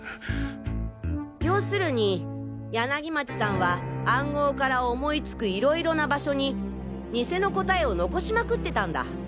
要するに柳町さんは暗号から思いつく色々な場所に偽の答えを残しまくってたんだ。